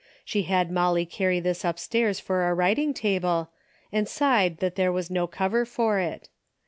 She had Molly carry this upstairs for a writ ing table, and sighed that there was no cover for it.